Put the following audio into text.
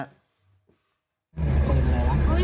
พี่หนูออกประวัง